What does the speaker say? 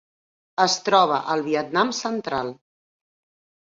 Es troba al Vietnam central.